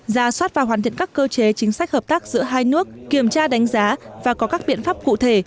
ra soát và hoàn thiện các cơ chế chính sách hợp tác giữa hai nước kiểm tra đánh giá và có các biện pháp cụ thể